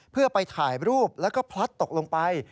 เพื่อไปถ่ายรูปแล้วก็พลัดตกลงไป